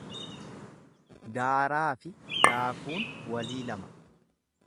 Daaraafi daakuun walii lama.